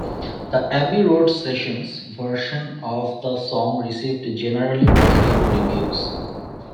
"The Abbey Road Sessions"-version of the song received generally positive reviews.